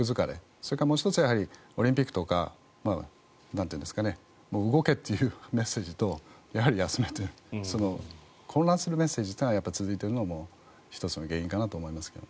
そしてもう１つはオリンピックとか動けというメッセージと休めという混乱するメッセージがやっぱり続いているのも１つの原因かなと思います。